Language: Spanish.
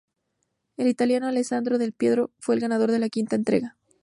El italiano Alessandro Del Piero fue el ganador de la quinta entrega.